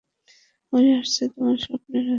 ওই আসছে তোমার স্বপ্নের রাজকুমার।